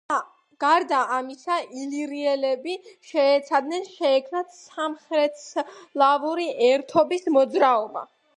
გარდა ამისა ილირიელები შეეცადნენ შეექმნათ სამხრეთსლავური ერთობის მოძრაობა.